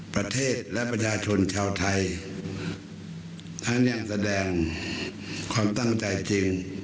ประเทศและประชาชนชาวไทยทั้งยังแสดงความตั้งใจจริง